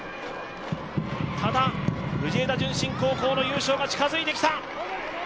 ただ、藤枝順心高校の優勝が近づいてきた。